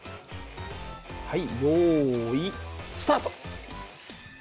はい用意スタート！